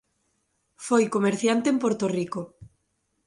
Foi comerciante en Porto Rico.